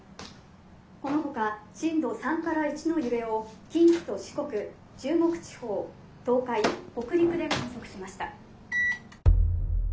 このほか震度３から１の揺れを近畿と四国中国地方東海北陸で観測しました」。